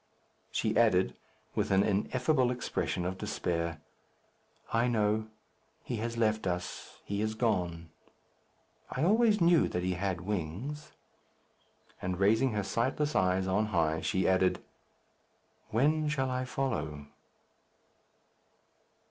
She added, with an ineffable expression of despair, "I know. He has left us. He is gone. I always knew that he had wings." And raising her sightless eyes on high, she added, "When shall I follow?"